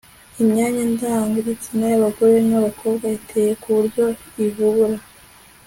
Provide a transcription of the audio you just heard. imyanya ndangagitsina y'abagore n'abakobwa iteye ku buryo ivubura